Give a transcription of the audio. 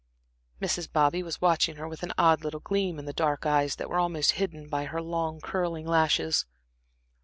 Mrs. Bobby was watching her with an odd little gleam in the dark eyes that were almost hidden by her long, curling lashes.